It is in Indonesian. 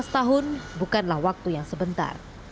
sebelas tahun bukanlah waktu yang sebentar